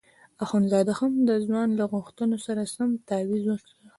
اخندزاده هم د ځوان له غوښتنې سره سم تاویز وکیښ.